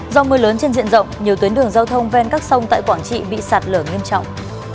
do mưa lớn trên diện rộng nhiều tuyến đường giao thông ven các sông tại quảng trị bị sạt lở nghiêm trọng